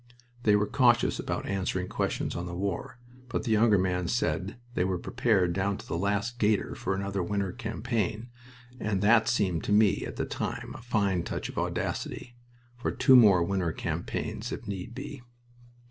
They were cautious about answering questions on the war, but the younger man said they were prepared down to the last gaiter for another winter campaign and that seemed to me at the time a fine touch of audacity for two more winter campaigns if need be.